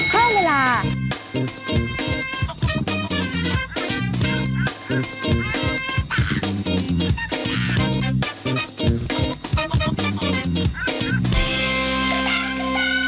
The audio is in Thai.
สวัสดีครับ